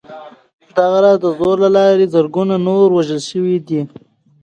دغه راز د زور له لارې زرګونه نور ووژل شول